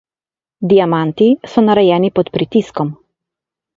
Diamanti so narejeni pod pritiskom.